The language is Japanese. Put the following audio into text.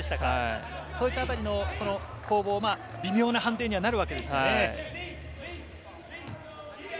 そういったあたりの攻防、微妙な判定になるわけですね。